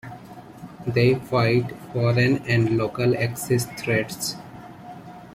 They fight foreign and local Axis threats.